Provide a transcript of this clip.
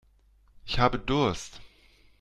Ich habe Durst.